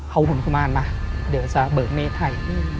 เอาหุ่นกุมารมาเดี๋ยวจะเบิกในนี้ไถ่